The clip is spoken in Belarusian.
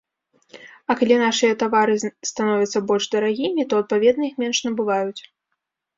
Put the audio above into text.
А калі нашыя тавары становяцца больш дарагімі, то, адпаведна, іх менш набываюць.